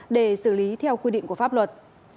để xử lý theo quy định của pháp luật